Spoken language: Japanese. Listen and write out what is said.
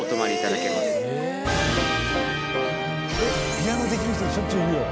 ピアノできる人しょっちゅういるよ。